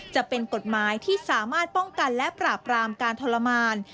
จะเป็นกฎหมายที่สามารถป้องกันและปราบรามการทรมาน